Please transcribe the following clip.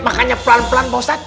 makanya pelan pelan bostad